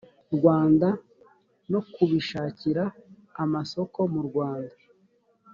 rwanda no kubishakira amasoko mu rwanda